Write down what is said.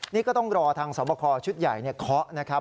นี่ก็ต้องรอทางสอบคอชุดใหญ่เคาะนะครับ